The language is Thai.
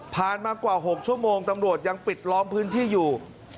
มากว่า๖ชั่วโมงตำรวจยังปิดล้อมพื้นที่อยู่